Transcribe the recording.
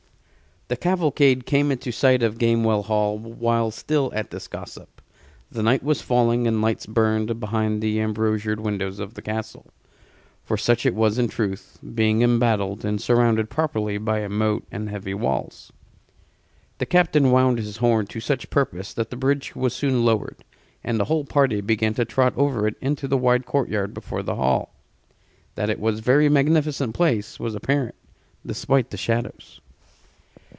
The cavalcade came into sight of Gamewell Hall while still at this gossip. The night was falling and lights burned behind the embrasured windows of the castle, for such it was in truth, being embattled and surrounded properly by a moat and heavy walls. The captain wound his horn to such purpose that the bridge was soon lowered, and the whole party began to trot over it into the wide courtyard before the hall. That it was a very magnificent place was apparent, despite the shadows.